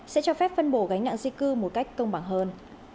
sẽ cho phép phân bổ gánh nặng di cư một cách công bằng hơn